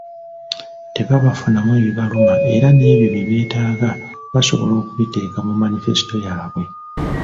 Tebabafunamu ebibaluma era n'ebyo bye beetaaga, basobole okubiteeka mu "Manifesto" yaabwe.